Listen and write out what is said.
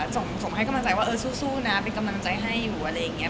ส่งให้กำลังใจว่าเออสู้นะเป็นกำลังใจให้อยู่อะไรอย่างนี้